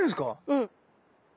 うん。